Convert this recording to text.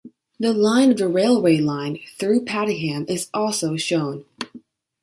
The line of the railway line through Padiham is also shown.